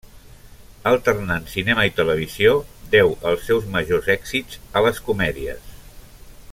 Alternant cinema i televisió, deu els seus majors èxits a les comèdies.